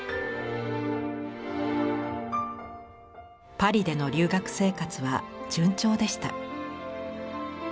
パリでの留学生活は順調でした。